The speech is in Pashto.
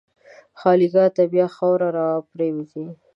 خالیګاه ته بیا خاوره راپرېوځي.